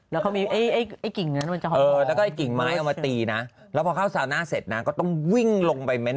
แล้วให้กิ่งมั้ยเอามาตีนะแล้วข้าวเซานะเสร็จแล้วก็ต้องวิ่งลงไปแม่